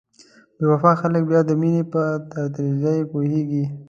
بې وفا خلک بیا د مینې په تراژیدۍ پوهیږي.